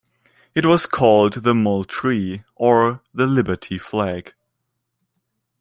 It was called the Moultrie, or the Liberty Flag.